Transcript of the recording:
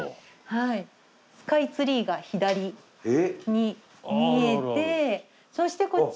スカイツリーが左に見えてそしてこっち。